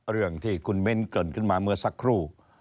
เรื่องที่คุณมิ้นเกริ่นขึ้นมาเมื่อสักครู่